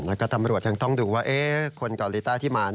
แล้วก็ตำรวจยังต้องดูว่าคนเกาหลีใต้ที่มา